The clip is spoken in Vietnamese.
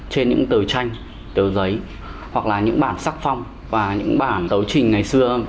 trên những tờ tranh tờ giấy hoặc là những bản sắc phong và những bản tấu trình ngày xưa